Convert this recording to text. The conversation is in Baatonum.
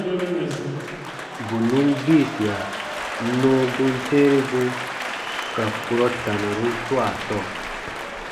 Bù nùn gbiisia nɔɔ gum tɛ̃ɛnibu ka kurɔ tanɔrun swaa sɔɔ.